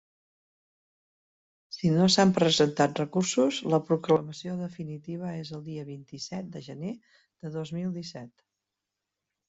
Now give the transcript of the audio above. Si no s'han presentat recursos, la proclamació definitiva és el dia vint-i-set de gener de dos mil disset.